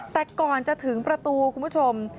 แต่ก่อนจะถึงประตูคุณผู้ชม